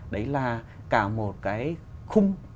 đấy là cả một cái khung